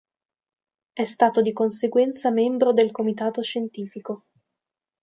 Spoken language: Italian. È stato di conseguenza membro del Comitato Scientifico.